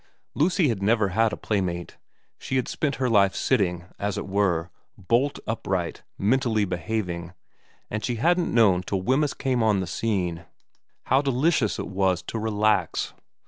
Lucy had never had a playmate. She had spent her life sitting, as it were, bolt upright mentally behaving, and she hadn't known till Wemyss came on the scene how delicious it was to relax.